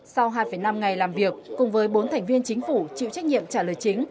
sau hai năm ngày làm việc cùng với bốn thành viên chính phủ chịu trách nhiệm trả lời chính